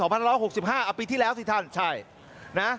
ปีที่แล้วสิท่าน